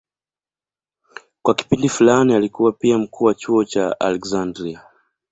Kwa kipindi fulani alikuwa pia mkuu wa chuo cha Aleksandria.